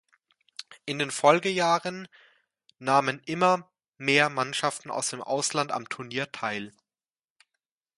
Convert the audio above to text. In den Folgejahren nahmen immer mehr Mannschaften aus dem Ausland am Turnier teil.